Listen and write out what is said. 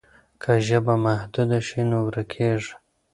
که ژبه محدوده شي نو ورکېږي.